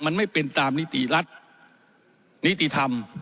มันไม่เป็นตามนิติรัฐนิติธรรม